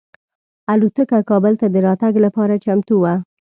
الوتکه کابل ته د راتګ لپاره چمتو وه.